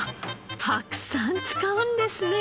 たくさん使うんですね。